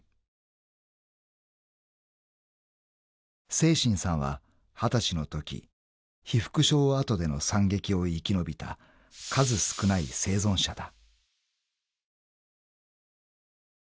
［清真さんは二十歳のとき被服廠跡での惨劇を生き延びた数少ない生存者だ］